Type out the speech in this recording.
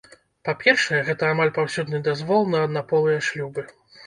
Па-першае, гэта амаль паўсюдны дазвол на аднаполыя шлюбы.